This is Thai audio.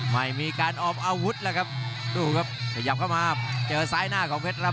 ไม่มีการออมอาวุธแล้วครับดูครับขยับเข้ามาเจอซ้ายหน้าของเพชรลำ